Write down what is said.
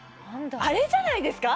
あれじゃないですか？